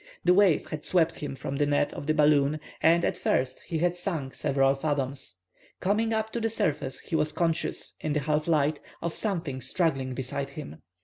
The wave had swept him from the net of the balloon, and at first he had sunk several fathoms. Coming up to the surface, he was conscious, in the half light, of something struggling beside him.